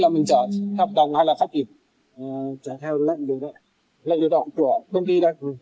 lệnh được đó của công ty đây